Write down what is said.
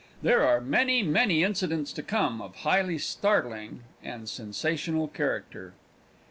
There are many many incidents to come of highly startling and sensational character.